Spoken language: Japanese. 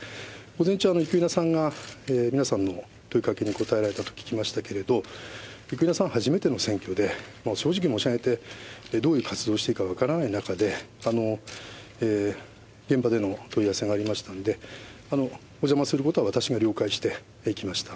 午前中、生稲さんが、皆さんの問いかけにこたえられたと聞きましたけれども、生稲さん、初めての選挙で、正直申し上げて、どういう活動していいか分からない中で、現場での問い合わせがありましたので、お邪魔することは、私が了解していきました。